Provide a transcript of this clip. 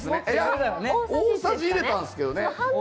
大さじ入れたんですけどね。